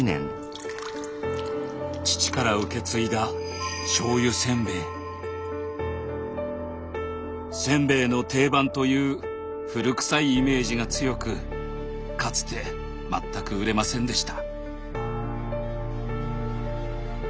父から受け継いだ「せんべいの定番」という古くさいイメージが強くかつて全く売れませんでした。